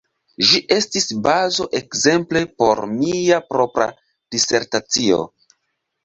Ĝi estis bazo ekzemple por mia propra disertacio.